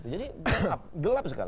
jadi gelap sekali